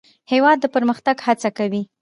هېواد د پرمختګ هڅه کوي.